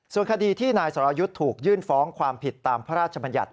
ส่วนคดีที่นายสรยุทธ์ถูกยื่นฟ้องความผิดตามพระราชบัญญัติ